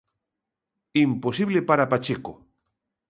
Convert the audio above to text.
Imposible para Pacheco.